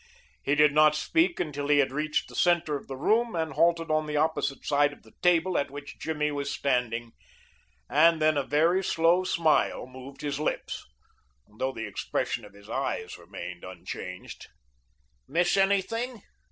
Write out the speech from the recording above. He did not speak until he had reached the center of the room and halted on the opposite side of the table at which Jimmy was standing; and then a very slow smile moved his lips, though the expression of his eyes remained unchanged. "Miss anything?"